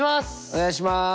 お願いします！